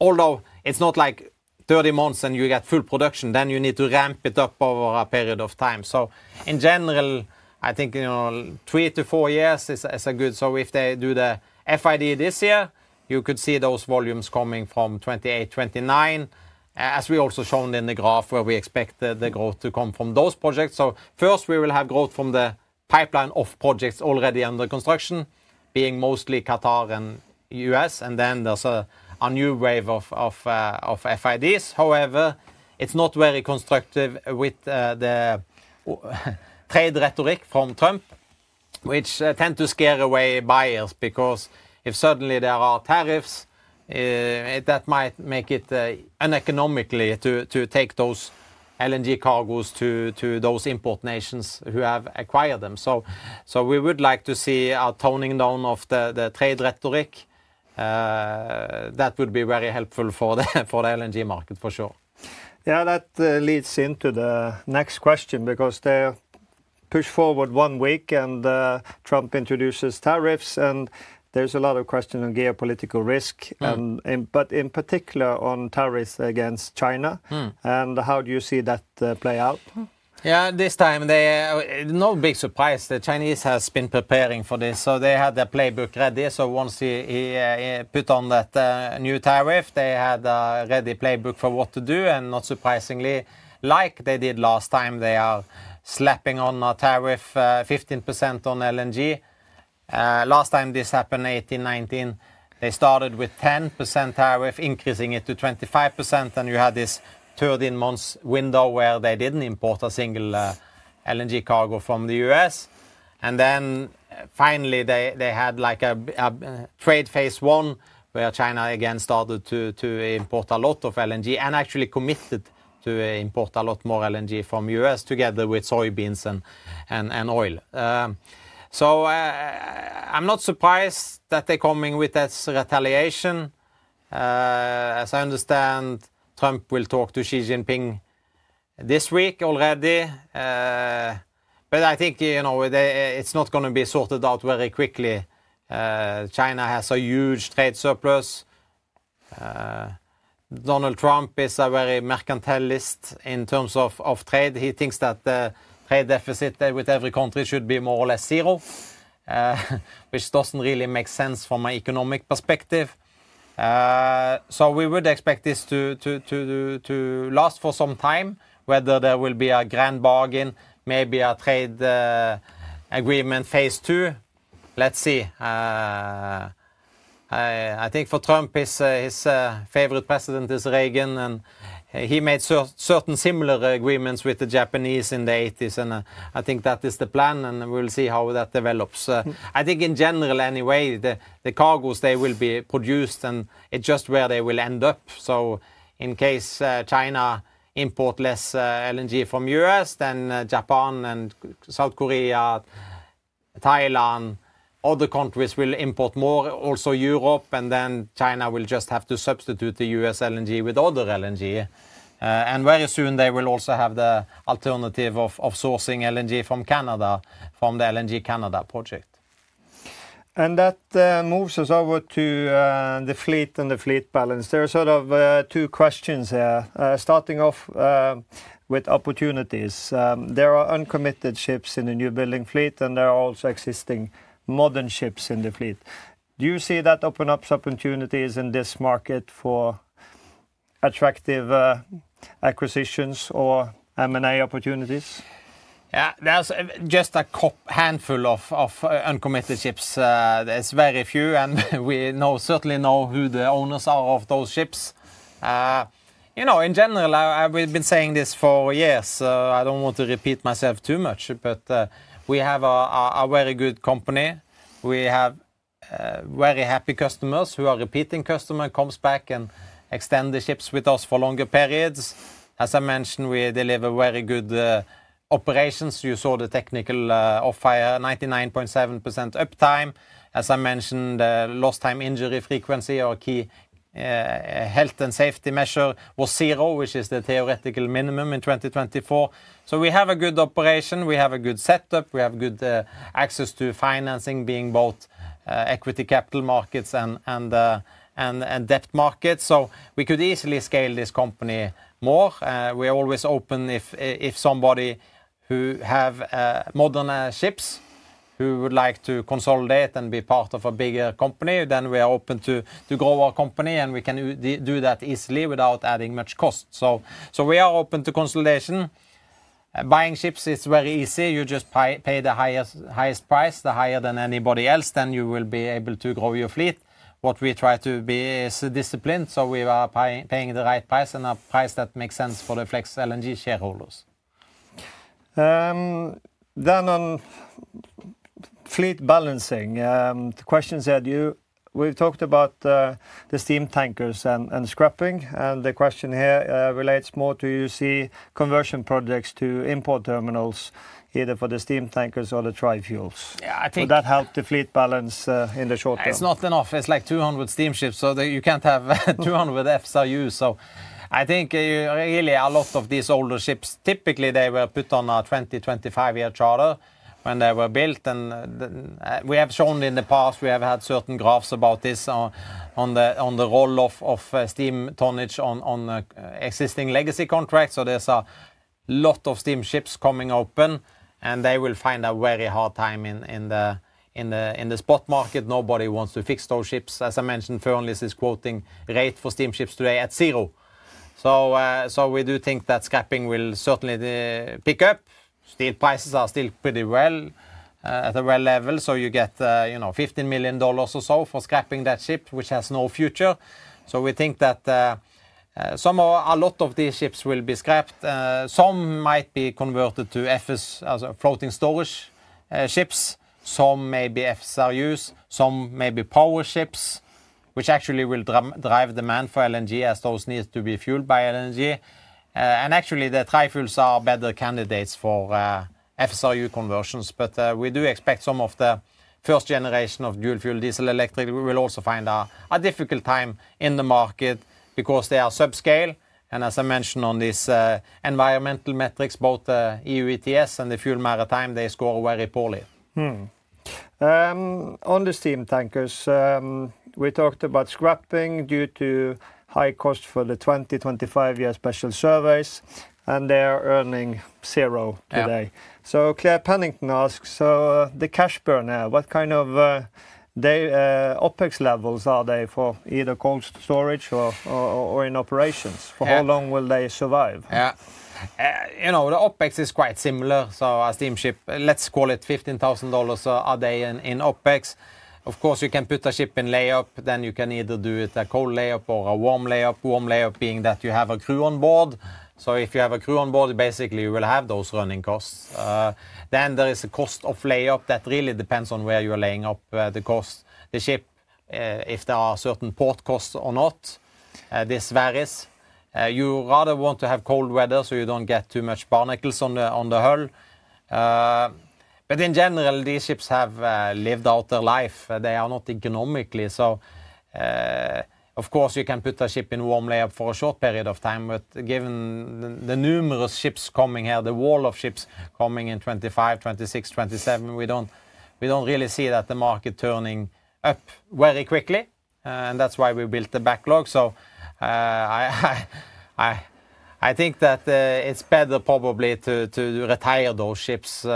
Although it's not like 30 months and you get full production, then you need to ramp it up over a period of time. In general, I think three to four years is a good. If they do the FID this year, you could see those volumes coming from 2028, 2029, as we also shown in the graph where we expect the growth to come from those projects. First, we will have growth from the pipeline of projects already under construction, being mostly Qatar and U.S. And then there's a new wave of FIDs. However, it's not very constructive with the trade rhetoric from Trump, which tends to scare away buyers because if suddenly there are tariffs, that might make it uneconomically to take those LNG cargoes to those import nations who have acquired them. We would like to see a toning down of the trade rhetoric. That would be very helpful for the LNG market, for sure. Yeah, that leads into the next question because they push forward one week and Trump introduces tariffs and there's a lot of questions on geopolitical risk, but in particular on tariffs against China. And how do you see that play out? Yeah, this time, no big surprise. The Chinese have been preparing for this. So they had their playbook ready. So once he put on that new tariff, they had a ready playbook for what to do. And not surprisingly, like they did last time, they are slapping on a tariff, 15% on LNG. Last time this happened, 2018, 2019, they started with 10% tariff, increasing it to 25%. And you had this 13 months window where they didn't import a single LNG cargo from the U.S. And then finally, they had like a trade phase one where China again started to import a lot of LNG and actually committed to import a lot more LNG from the U.S. together with soybeans and oil. So I'm not surprised that they're coming with that retaliation. As I understand, Trump will talk to Xi Jinping this week already. But I think it's not going to be sorted out very quickly. China has a huge trade surplus. Donald Trump is a very mercantilist in terms of trade. He thinks that the trade deficit with every country should be more or less zero, which doesn't really make sense from an economic perspective. So we would expect this to last for some time, whether there will be a grand bargain, maybe a trade agreement phase two. Let's see. I think for Trump, his favorite president is Reagan. And he made certain similar agreements with the Japanese in the 1980s. And I think that is the plan. And we'll see how that develops. I think in general, anyway, the cargoes, they will be produced and it's just where they will end up. So in case China imports less LNG from the U.S., then Japan and South Korea, Thailand, other countries will import more, also Europe. And then China will just have to substitute the U.S. LNG with other LNG. And very soon, they will also have the alternative of sourcing LNG from Canada, from the LNG Canada project. And that moves us over to the fleet and the fleet balance. There are sort of two questions here. Starting off with opportunities. There are uncommitted ships in the newbuilding fleet, and there are also existing modern ships in the fleet. Do you see that open up opportunities in this market for attractive acquisitions or M&A opportunities? Yeah, there's just a handful of uncommitted ships. There's very few. And we certainly know who the owners are of those ships. You know, in general, we've been saying this for years. I don't want to repeat myself too much, but we have a very good company. We have very happy customers who are repeating customers, come back and extend the ships with us for longer periods. As I mentioned, we deliver very good operations. You saw the technical off-hire, 99.7% uptime. As I mentioned, the lost time injury frequency or key health and safety measure was zero, which is the theoretical minimum in 2024. So we have a good operation. We have a good setup. We have good access to financing, being both equity capital markets and debt markets. So we could easily scale this company more. We're always open if somebody who has modern ships who would like to consolidate and be part of a bigger company, then we are open to grow our company. And we can do that easily without adding much cost. So we are open to consolidation. Buying ships is very easy. You just pay the highest price, the higher than anybody else. Then you will be able to grow your fleet. What we try to be is disciplined. So we are paying the right price and a price that makes sense for the Flex LNG shareholders. Then on fleet balancing, the questions are due. We've talked about the steam tankers and scrapping. And the question here relates more to, you see, conversion projects to import terminals, either for the steam tankers or the dry fuels. Yeah, I think that helped the fleet balance in the short term. It's not enough. It's like 200 steam ships. So you can't have 200 FSRUs. So I think really a lot of these older ships, typically they were put on a 2025 year charter when they were built. And we have shown in the past, we have had certain graphs about this on the roll of steam tonnage on existing legacy contracts. So there's a lot of steam ships coming open. They will find a very hard time in the spot market. Nobody wants to fix those ships. As I mentioned, Fearnleys is quoting rate for steam ships today at zero. We do think that scrapping will certainly pick up. Steel prices are still pretty high at a high level. You get $15 million or so for scrapping that ship, which has no future. We think that some or a lot of these ships will be scrapped. Some might be converted to FS, floating storage ships. Some may be FSRUs. Some may be power ships, which actually will drive demand for LNG as those need to be fueled by LNG. Actually, the trifuels are better candidates for FSRU conversions. But we do expect some of the first generation of dual fuel, diesel, electric will also find a difficult time in the market because they are subscale. As I mentioned on these environmental metrics, both the EU ETS and the FuelEU Maritime, they score very poorly. On the steam tankers, we talked about scrapping due to high cost for the 2025 year special service. They are earning zero today. Claire Pennington asks, so the cash burner, what kind of OpEx levels are they for either cold storage or in operations? For how long will they survive? Yeah, you know, the OpEx is quite similar. A steam ship, let's call it $15,000 a day in OpEx. Of course, you can put a ship in layup. You can either do it a cold layup or a warm layup. Warm layup being that you have a crew on board. If you have a crew on board, basically you will have those running costs. Then, there is a cost of layup that really depends on where you are laying up the ship, if there are certain port costs or not. This varies. You rather want to have cold weather so you don't get too much barnacles on the hull. But in general, these ships have lived out their life. They are not economically. So of course, you can put a ship in warm layup for a short period of time. But given the numerous ships coming here, the wall of ships coming in 2025, 2026, 2027, we don't really see that the market turning up very quickly. And that's why we built the backlog. So I think that it's better probably to retire those ships.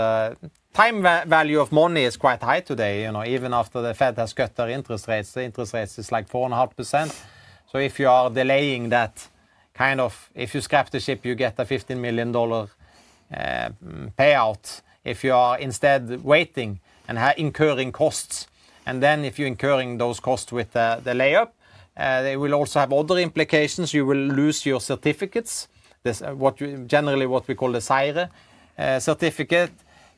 Time value of money is quite high today. You know, even after the Fed has cut their interest rates, the interest rate is like 4.5%. So if you are delaying that kind of, if you scrap the ship, you get a $15 million payout. If you are instead waiting and incurring costs, and then if you're incurring those costs with the layup, they will also have other implications. You will lose your certificates. What generally we call the SIRE certificate,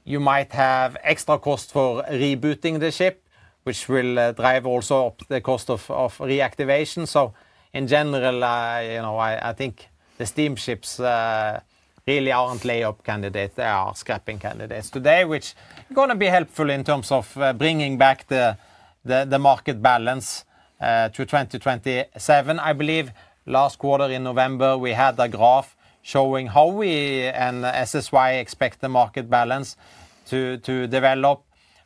you might have extra costs for rebooting the ship, which will drive also up the cost of reactivation. So in general, you know, I think the steam ships really aren't layup candidates. They are scrapping candidates today, which is going to be helpful in terms of bringing back the market balance to 2027. I believe last quarter in November, we had a graph showing how we and SSY expect the market balance to develop,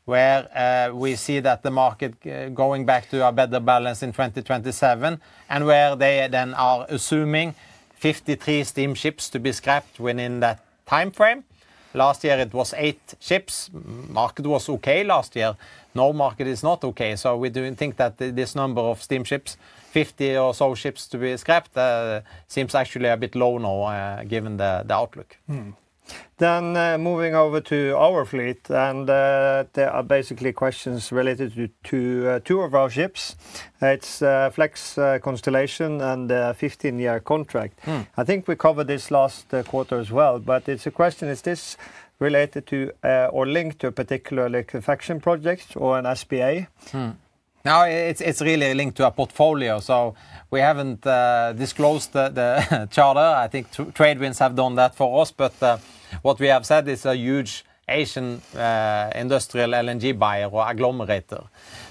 where we see that the market going back to a better balance in 2027, and where they then are assuming 53 steam ships to be scrapped within that time frame. Last year, it was eight ships. Market was okay last year. Now market is not okay. So we do think that this number of steam ships, 50 or so ships to be scrapped, seems actually a bit low now given the outlook. Then moving over to our fleet. And there are basically questions related to two of our ships. It's Flex Constellation and the 15-year contract. I think we covered this last quarter as well. But it's a question: is this related to or linked to a particular liquefaction project or an SPA? No, it's really linked to a portfolio. So we haven't disclosed the charter. I think TradeWinds have done that for us. But what we have said is a huge Asian industrial LNG buyer or agglomerator.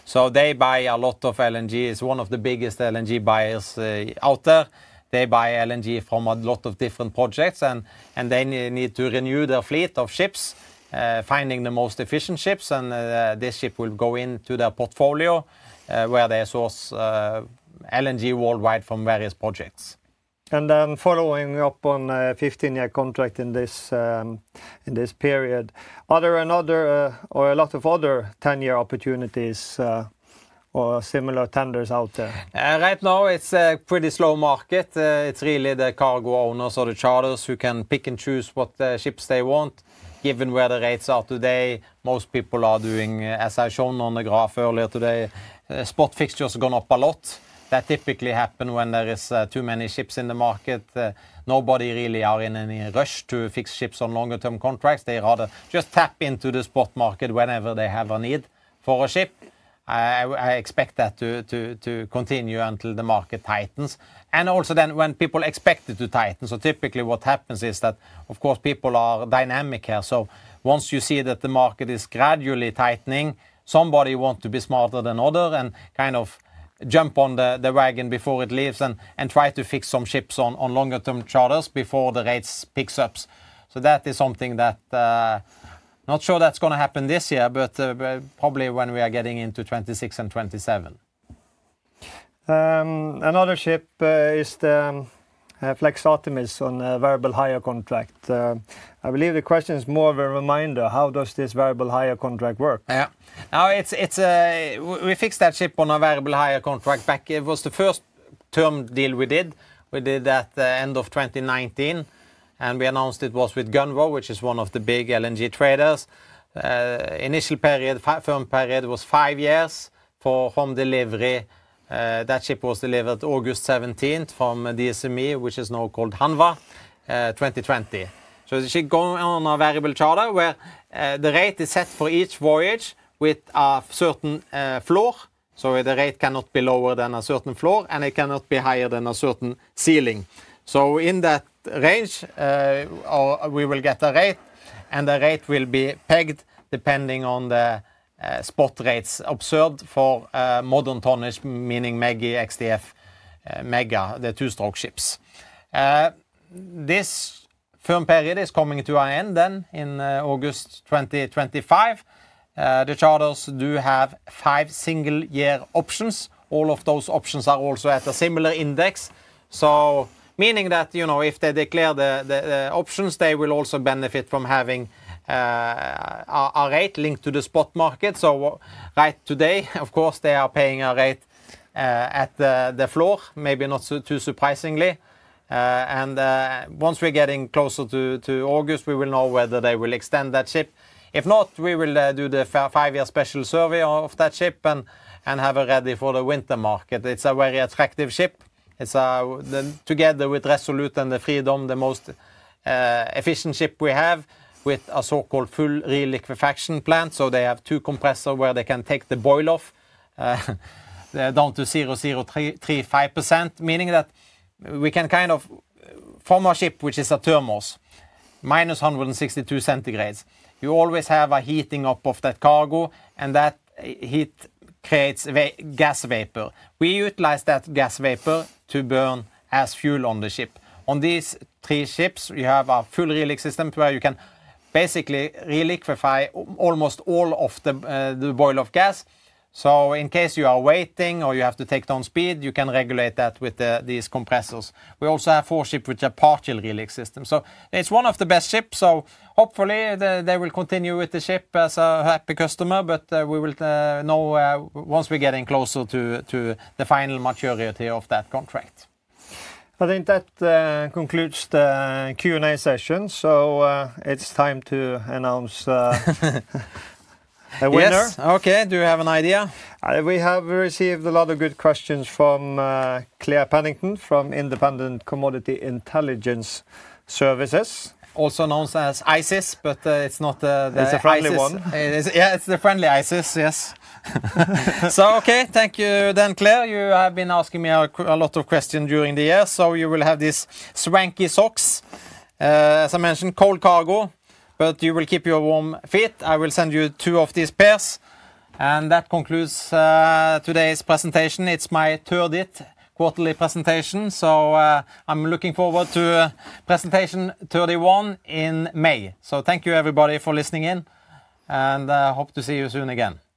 So they buy a lot of LNG. It's one of the biggest LNG buyers out there. They buy LNG from a lot of different projects. And they need to renew their fleet of ships, finding the most efficient ships. And this ship will go into their portfolio where they source LNG worldwide from various projects. And then following up on 15-year contract in this period, are there another or a lot of other 10-year opportunities or similar tenders out there? Right now, it's a pretty slow market. It's really the cargo owners or the charters who can pick and choose what ships they want. Given where the rates are today, most people are doing, as I've shown on the graph earlier today, spot fixtures have gone up a lot. That typically happens when there are too many ships in the market. Nobody really is in any rush to fix ships on longer-term contracts. They rather just tap into the spot market whenever they have a need for a ship. I expect that to continue until the market tightens, and also then when people expect it to tighten. So typically what happens is that, of course, people are dynamic here, so once you see that the market is gradually tightening, somebody wants to be smarter than others and kind of jump on the wagon before it leaves and try to fix some ships on longer-term charters before the rates pick up. So that is something that I'm not sure that's going to happen this year, but probably when we are getting into 2026 and 2027. Another ship is the Flex Artemis on a variable hire contract. I believe the question is more of a reminder. How does this variable hire contract work? Yeah, now it's, we fixed that ship on a variable hire contract back. It was the first term deal we did. We did that end of 2019. And we announced it was with Gunvor, which is one of the big LNG traders. Initial period, firm period was five years for home delivery. That ship was delivered August 17, 2020 from DSME, which is now called Hanwha. So the ship goes on a variable charter where the rate is set for each voyage with a certain floor. So the rate cannot be lower than a certain floor. It cannot be higher than a certain ceiling. In that range, we will get a rate. The rate will be pegged depending on the spot rates observed for modern tonnage, meaning ME-GI, X-DF, ME-GA, the two-stroke ships. This firm period is coming to an end then in August 2025. The charters do have five single-year options. All of those options are also at a similar index. Meaning that, you know, if they declare the options, they will also benefit from having a rate linked to the spot market. Right today, of course, they are paying a rate at the floor, maybe not too surprisingly. Once we're getting closer to August, we will know whether they will extend that ship. If not, we will do the five-year special survey of that ship and have it ready for the winter market. It's a very attractive ship. It's together with Resolute and the Freedom, the most efficient ship we have with a so-called full re-liquefaction plant. They have two compressors where they can take the boil-off down to 0.035%, meaning that we can kind of form a ship, which is a thermos, minus 162 degrees Celsius. You always have a heating up of that cargo. And that heat creates gas vapor. We utilize that gas vapor to burn as fuel on the ship. On these three ships, you have a full re-liquefaction system where you can basically re-liquefy almost all of the boil-off gas. In case you are waiting or you have to take down speed, you can regulate that with these compressors. We also have four ships with a partial re-liquefaction system. It's one of the best ships. Hopefully they will continue with the ship as a happy customer. But we will know once we're getting closer to the final maturity of that contract. I think that concludes the Q&A session. So it's time to announce a winner. Yes. Okay. Do you have an idea? We have received a lot of good questions from Claire Pennington from Independent Commodity Intelligence Services. Also known as ICIS, but it's not the ICIS. It's a friendly one. Yeah, it's the friendly ISIS, yes. So okay, thank you then, Claire. You have been asking me a lot of questions during the year. So you will have these swanky socks. As I mentioned, cold cargo. But you will keep your warm feet. I will send you two of these pairs. And that concludes today's presentation. It's my third quarterly presentation. So I'm looking forward to presentation 31 in May. So thank you, everybody, for listening in. And I hope to see you soon again.